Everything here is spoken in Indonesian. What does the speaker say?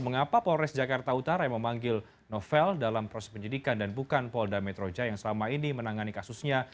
mengapa polres jakarta utara yang memanggil novel dalam proses penyidikan dan bukan polda metro jaya yang selama ini menangani kasusnya